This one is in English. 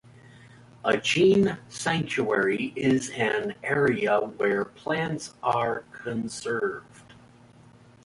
A gene sanctuary is an area where plants are conserved.